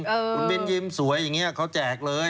คุณบินยิ้มสวยอย่างนี้เขาแจกเลย